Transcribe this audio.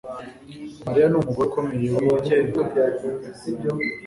Mariya numugore ukomeye wigenga